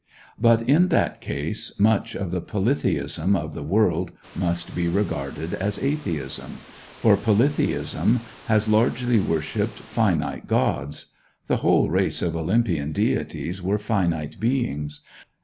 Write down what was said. But, in that case, much of the polytheism of the world must be regarded as atheism; for polytheism has largely worshiped finite gods. The whole race of Olympian deities were finite beings.